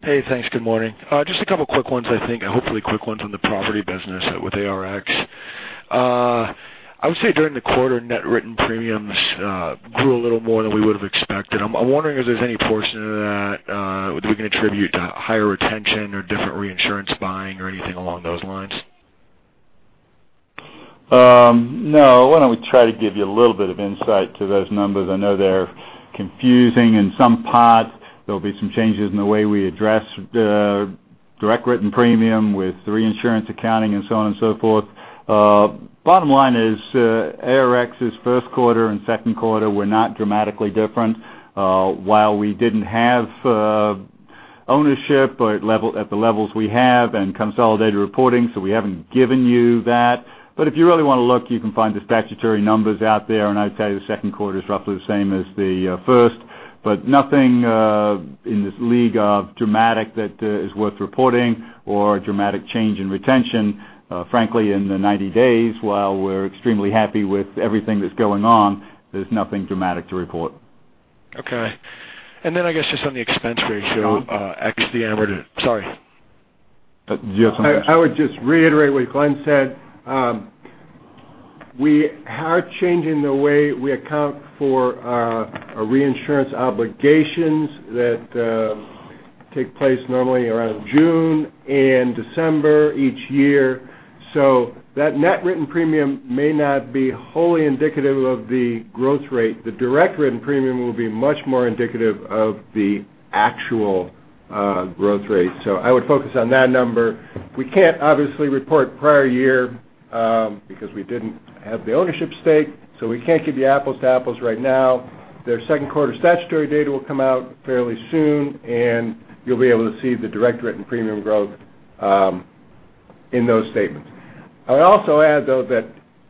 Hey, thanks. Good morning. Just a couple of quick ones, I think, and hopefully quick ones on the property business with ARX. During the quarter, net written premiums grew a little more than we would've expected. I'm wondering if there's any portion of that, we can attribute to higher retention or different reinsurance buying or anything along those lines. No. Why don't we try to give you a little bit of insight to those numbers? I know they're confusing in some part. There'll be some changes in the way we address the direct written premium with reinsurance accounting and so on and so forth. Bottom line is, ARX's first quarter and second quarter were not dramatically different. While we didn't have ownership at the levels we have and consolidated reporting, we haven't given you that. If you really want to look, you can find the statutory numbers out there, and I'd say the second quarter is roughly the same as the first. Nothing in this league of dramatic that is worth reporting or a dramatic change in retention. Frankly, in the 90 days, while we're extremely happy with everything that's going on, there's nothing dramatic to report. Okay. I guess just on the expense ratio, sorry. Do you have something? I would just reiterate what Glenn said. We are changing the way we account for our reinsurance obligations that take place normally around June and December each year. That net written premium may not be wholly indicative of the growth rate. The direct written premium will be much more indicative of the actual growth rate. I would focus on that number. We can't obviously report prior year, because we didn't have the ownership stake, so we can't give you apples to apples right now. Their second quarter statutory data will come out fairly soon, and you'll be able to see the direct written premium growth in those statements. I would also add, though, that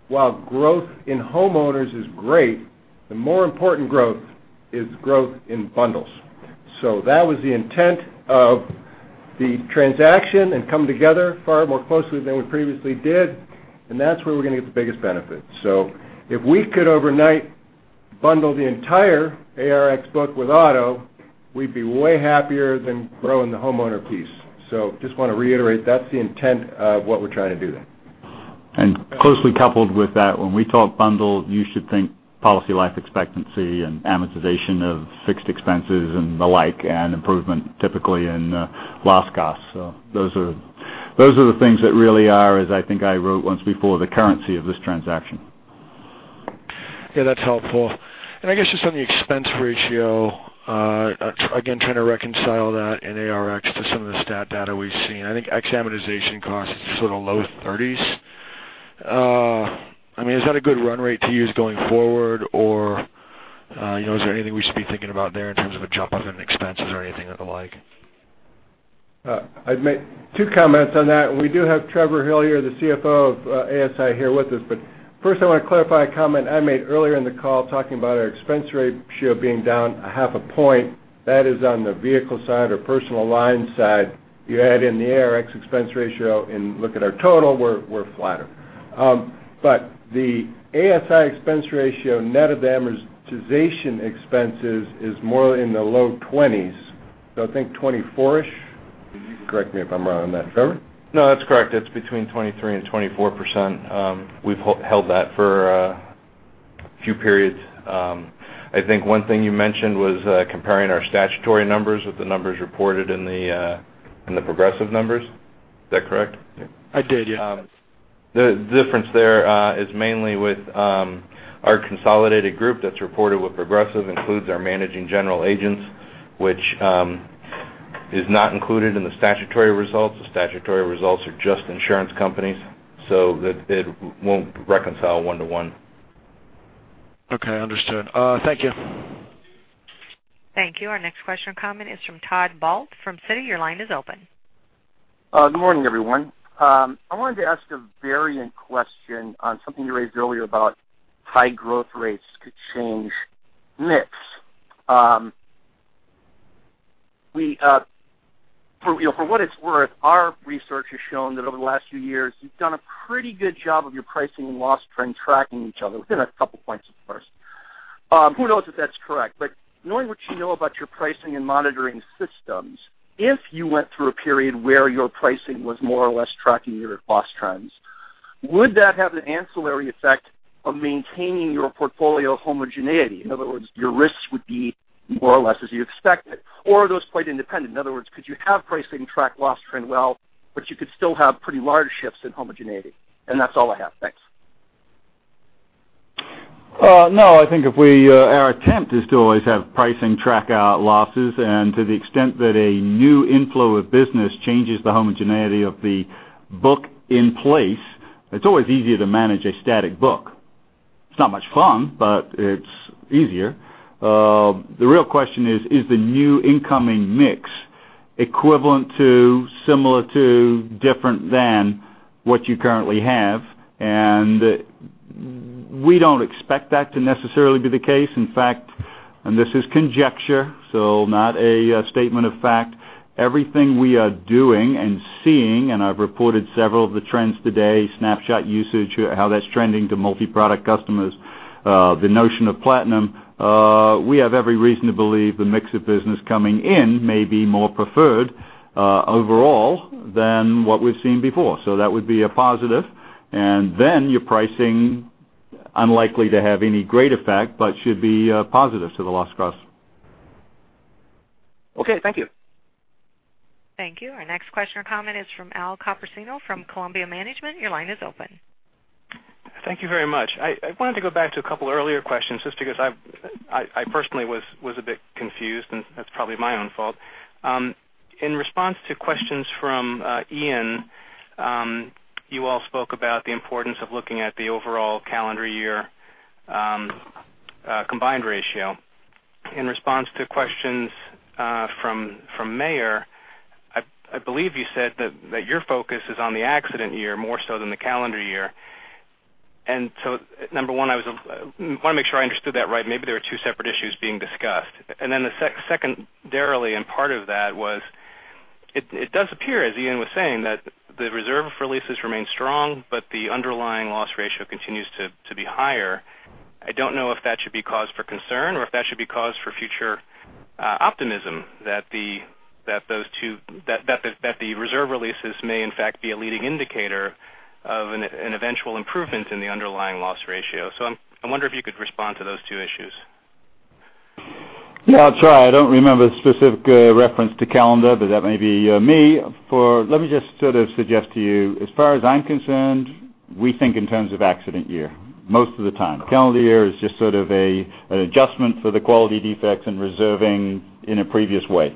while growth in homeowners is great, the more important growth is growth in bundles. That was the intent of the transaction and come together far more closely than we previously did, and that's where we're going to get the biggest benefit. If we could overnight bundle the entire ARX book with auto, we'd be way happier than growing the homeowner piece. Just want to reiterate, that's the intent of what we're trying to do there. Closely coupled with that, when we talk bundle, you should think policy life expectancy and amortization of fixed expenses and the like, and improvement typically in loss costs. Those are the things that really are as I think I wrote once before, the currency of this transaction. Yeah, that's helpful. I guess just on the expense ratio, again, trying to reconcile that in ARX to some of the stat data we've seen. I think ex-amortization cost is sort of low 30s. Is that a good run rate to use going forward? Is there anything we should be thinking about there in terms of a jump up in expenses or anything of the like? I'd make two comments on that. We do have Trevor Hill here, the CFO of ASI, here with us. First, I want to clarify a comment I made earlier in the call talking about our expense ratio being down a half a point. That is on the vehicle side or personal lines side. You add in the ARX expense ratio and look at our total, we're flatter. The ASI expense ratio, net of amortization expenses, is more in the low 20s. I think 24-ish. Correct me if I'm wrong on that. Trevor? No, that's correct. It's between 23%-24%. We've held that for a few periods. I think one thing you mentioned was comparing our statutory numbers with the numbers reported in the Progressive numbers. Is that correct? I did, yeah. The difference there is mainly with our consolidated group that's reported with Progressive includes our managing general agents, which is not included in the statutory results. The statutory results are just insurance companies, so it won't reconcile one to one. Okay, understood. Thank you. Thank you. Our next question or comment is from Todd Bault from Citi. Your line is open. Good morning, everyone. I wanted to ask a variant question on something you raised earlier about high growth rates could change mix. For what it's worth, our research has shown that over the last few years, you've done a pretty good job of your pricing and loss trend tracking each other within 2 points of course. Who knows if that's correct, but knowing what you know about your pricing and monitoring systems, if you went through a period where your pricing was more or less tracking your loss trends, would that have the ancillary effect of maintaining your portfolio homogeneity? In other words, your risks would be more or less as you expected, or are those quite independent? In other words, could you have pricing track loss trend well, but you could still have pretty large shifts in homogeneity. That's all I have. Thanks. No, I think our attempt is to always have pricing track our losses, and to the extent that a new inflow of business changes the homogeneity of the book in place, it's always easier to manage a static book. It's not much fun, but it's easier. The real question is the new incoming mix equivalent to, similar to, different than what you currently have? We don't expect that to necessarily be the case. In fact, this is conjecture, so not a statement of fact, everything we are doing and seeing, and I've reported several of the trends today, Snapshot usage, how that's trending to multi-product customers, the notion of Platinum, we have every reason to believe the mix of business coming in may be more preferred overall than what we've seen before. That would be a positive. Your pricing, unlikely to have any great effect, but should be positive to the loss cost. Okay, thank you. Thank you. Our next question or comment is from Al Ciamporcero from Columbia Management. Your line is open. Thank you very much. I wanted to go back to a couple earlier questions just because I personally was a bit confused, and that's probably my own fault. In response to questions from Ian, you all spoke about the importance of looking at the overall calendar year combined ratio. In response to questions from Meyer, I believe you said that your focus is on the accident year more so than the calendar year. Number one, I want to make sure I understood that right. Maybe there are two separate issues being discussed. The secondarily and part of that was it does appear, as Ian was saying, that the reserve releases remain strong, but the underlying loss ratio continues to be higher. I don't know if that should be cause for concern or if that should be cause for future optimism that the reserve releases may in fact be a leading indicator of an eventual improvement in the underlying loss ratio. I wonder if you could respond to those two issues. Yeah, I'll try. I don't remember the specific reference to calendar, but that may be me. Let me just sort of suggest to you, as far as I'm concerned, we think in terms of accident year, most of the time. Calendar year is just sort of an adjustment for the quality defects and reserving in a previous way,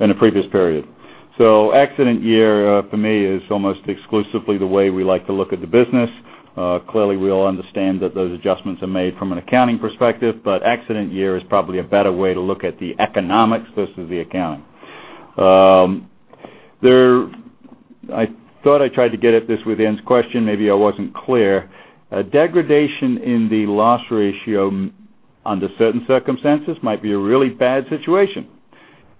in a previous period. Accident year for me is almost exclusively the way we like to look at the business. Clearly, we all understand that those adjustments are made from an accounting perspective, but accident year is probably a better way to look at the economics versus the accounting. I thought I tried to get at this with Ian's question. Maybe I wasn't clear. A degradation in the loss ratio under certain circumstances might be a really bad situation.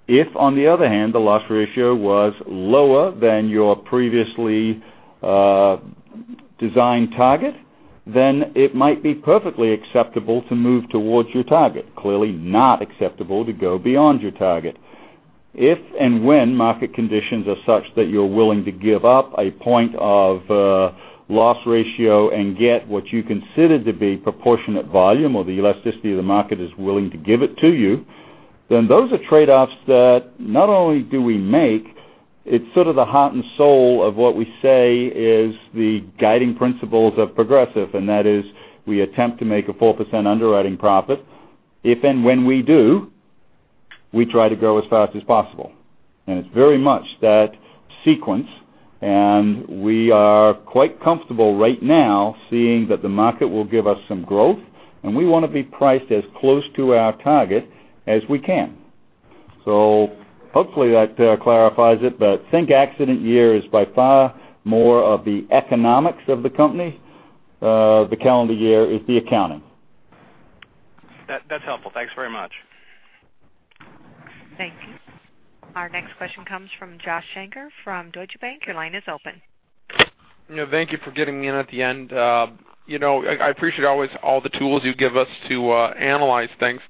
If, on the other hand, the loss ratio was lower than your previously designed target, it might be perfectly acceptable to move towards your target. Clearly not acceptable to go beyond your target. If and when market conditions are such that you're willing to give up a point of loss ratio and get what you consider to be proportionate volume or the elasticity of the market is willing to give it to you, those are trade-offs that not only do we make It's sort of the heart and soul of what we say is the guiding principles of Progressive, and that is we attempt to make a 4% underwriting profit. If and when we do, we try to grow as fast as possible. It's very much that sequence, we are quite comfortable right now seeing that the market will give us some growth, we want to be priced as close to our target as we can. Hopefully that clarifies it, think accident year is by far more of the economics of the company. The calendar year is the accounting. That's helpful. Thanks very much. Thank you. Our next question comes from Joshua Shanker from Deutsche Bank. Your line is open. Thank you for getting me in at the end. I appreciate always all the tools you give us to analyze things.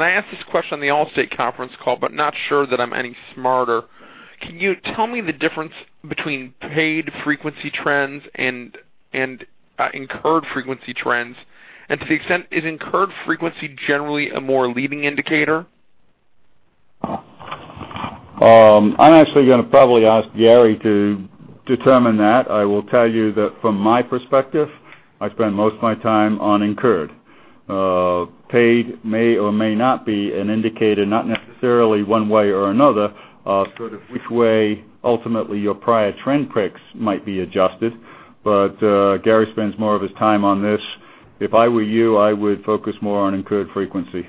I asked this question on the Allstate conference call, but not sure that I'm any smarter. Can you tell me the difference between paid frequency trends and incurred frequency trends? To the extent, is incurred frequency generally a more leading indicator? I'm actually going to probably ask Gary to determine that. I will tell you that from my perspective, I spend most of my time on incurred. Paid may or may not be an indicator, not necessarily one way or another, sort of which way ultimately your prior trend picks might be adjusted. Gary spends more of his time on this. If I were you, I would focus more on incurred frequency.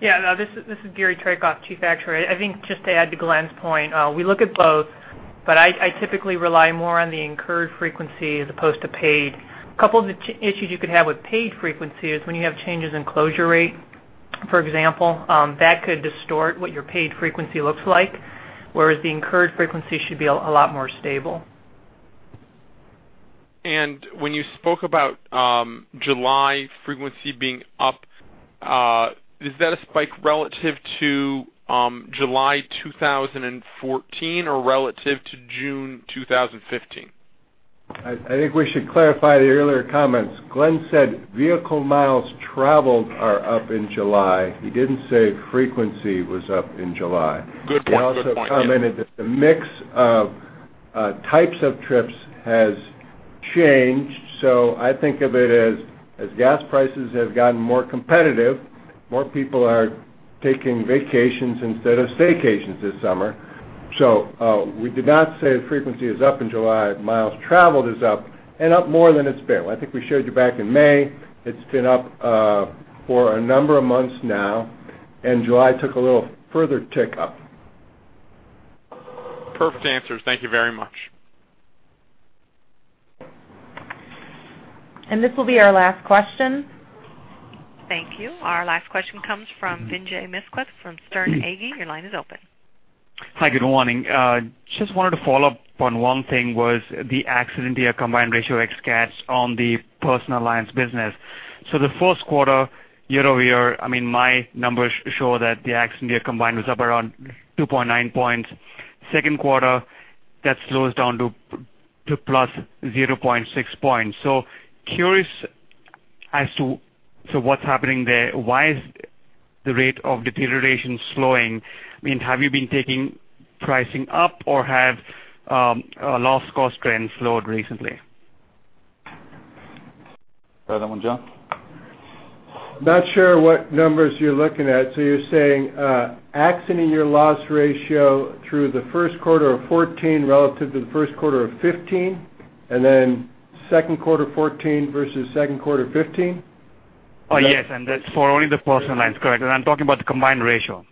Yeah. This is Gary S. Traicoff, Chief Actuary. I think just to add to Glenn's point, we look at both, I typically rely more on the incurred frequency as opposed to paid. Couple of issues you could have with paid frequency is when you have changes in closure rate, for example, that could distort what your paid frequency looks like, whereas the incurred frequency should be a lot more stable. When you spoke about July frequency being up, is that a spike relative to July 2014 or relative to June 2015? I think we should clarify the earlier comments. Glenn said vehicle miles traveled are up in July. He didn't say frequency was up in July. Good point. He also commented that the mix of types of trips has changed. I think of it as gas prices have gotten more competitive, more people are taking vacations instead of staycations this summer. We did not say the frequency is up in July. Miles traveled is up, and up more than it's been. I think we showed you back in May, it's been up for a number of months now, and July took a little further tick up. Perfect answers. Thank you very much. This will be our last question. Thank you. Our last question comes from Vinay Misquith from Sterne Agee. Your line is open. Hi, good morning. Just wanted to follow up on one thing, was the accident year combined ratio ex-CAT on the personal lines business. The first quarter year-over-year, my numbers show that the accident year combined was up around 2.9 points. Second quarter, that slows down to +0.6 points. Curious as to what's happening there. Why is the rate of deterioration slowing? Have you been taking pricing up or have loss cost trends slowed recently? You have that one, John? Not sure what numbers you're looking at. You're saying accident year loss ratio through the first quarter of 2014 relative to the first quarter of 2015, and then second quarter 2014 versus second quarter 2015? Yes. That's for only the personal lines. Correct. I'm talking about the combined ratio.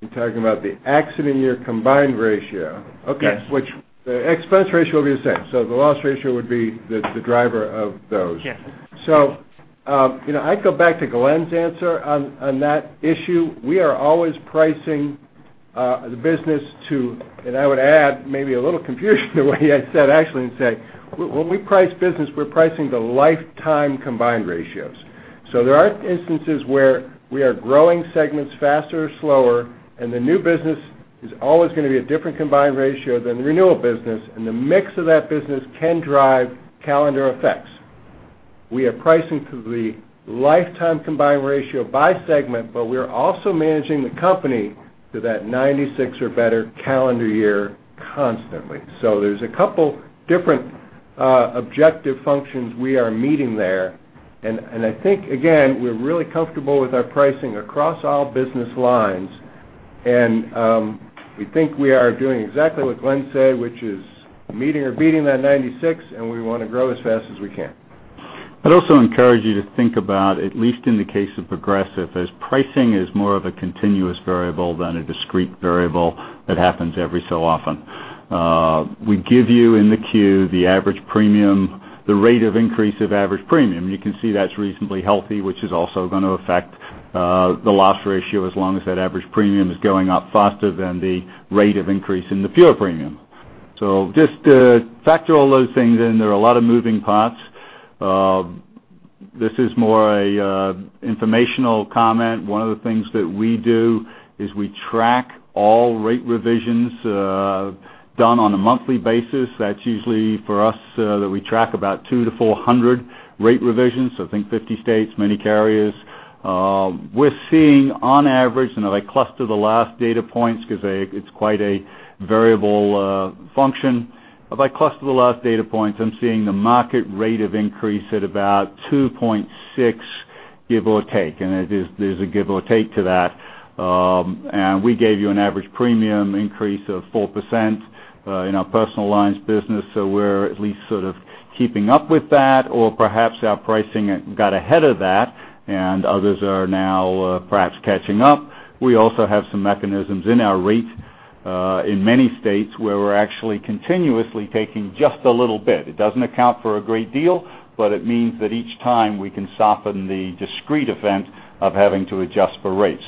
You're talking about the accident year combined ratio. Yes. Okay. Which the expense ratio will be the same. The loss ratio would be the driver of those. Yes. I'd go back to Glenn's answer on that issue. We are always pricing the business to, and I would add maybe a little confusion the way I said actually, and say, when we price business, we're pricing the lifetime combined ratios. There are instances where we are growing segments faster or slower, and the new business is always going to be a different combined ratio than the renewal business, and the mix of that business can drive calendar effects. We are pricing to the lifetime combined ratio by segment, but we're also managing the company to that 96 or better calendar year constantly. There's a couple different objective functions we are meeting there. I think, again, we're really comfortable with our pricing across all business lines, and we think we are doing exactly what Glenn said, which is meeting or beating that 96, and we want to grow as fast as we can. I'd also encourage you to think about, at least in the case of Progressive, as pricing is more of a continuous variable than a discrete variable that happens every so often. We give you in the Q, the average premium, the rate of increase of average premium. You can see that's reasonably healthy, which is also going to affect the loss ratio as long as that average premium is going up faster than the rate of increase in the pure premium. Just to factor all those things in, there are a lot of moving parts. This is more a informational comment. One of the things that we do is we track all rate revisions done on a monthly basis. That's usually for us that we track about 200-400 rate revisions. Think 50 states, many carriers. We're seeing on average, and if I cluster the last data points because it's quite a variable function. If I cluster the last data points, I'm seeing the market rate of increase at about 2.6, give or take. There's a give or take to that. We gave you an average premium increase of 4% in our personal lines business. We're at least sort of keeping up with that or perhaps our pricing got ahead of that, and others are now perhaps catching up. We also have some mechanisms in our rate in many states where we're actually continuously taking just a little bit. It doesn't account for a great deal, but it means that each time we can soften the discrete event of having to adjust for rates.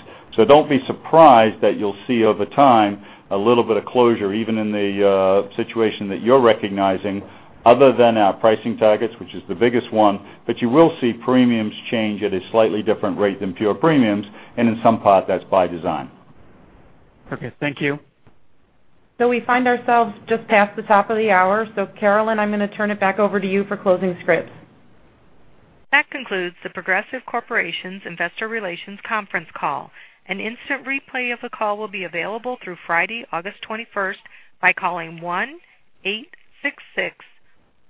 Don't be surprised that you'll see over time a little bit of closure, even in the situation that you're recognizing, other than our pricing targets, which is the biggest one, but you will see premiums change at a slightly different rate than pure premiums, and in some part, that's by design. Okay. Thank you. We find ourselves just past the top of the hour. Carolyn, I'm going to turn it back over to you for closing scripts. That concludes The Progressive Corporation's Investor Relations Conference Call. An instant replay of the call will be available through Friday, August 21st by calling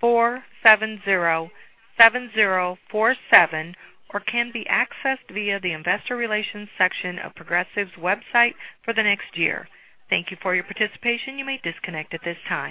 1-866-470-7047 or can be accessed via the investor relations section of Progressive's website for the next year. Thank you for your participation. You may disconnect at this time.